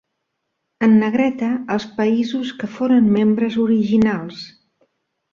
En negreta, els països que foren membres originals.